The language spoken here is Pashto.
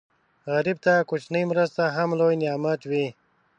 غریب ته کوچنۍ مرسته هم لوی نعمت وي